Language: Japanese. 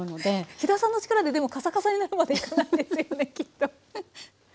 飛田さんの力ででもカサカサになるまでいかないですよねきっと。